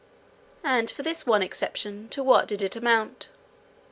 And for this one exception, to what did it amount?